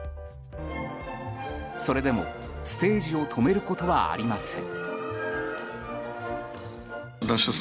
それでも、ステージを止めることはありません。